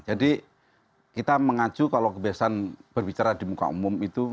jadi kita mengacu kalau kebiasaan berbicara di muka umum itu